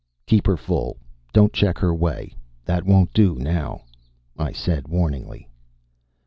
"Keep her full. Don't check her way. That won't do now," I said warningly.